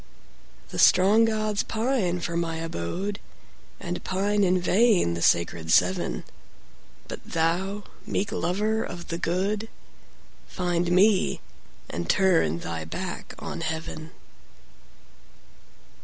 The strong gods pine for my abode, And pine in vain the sacred Seven; But thou, meek lover of the good! Find me, and turn thy back on heaven.